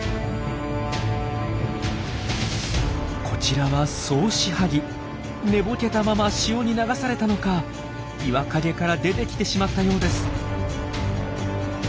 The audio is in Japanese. こちらは寝ぼけたまま潮に流されたのか岩陰から出てきてしまったようです。